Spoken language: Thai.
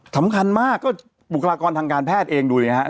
สำคัญมากก็บุคลากรทางการแพทย์เองดูดิครับ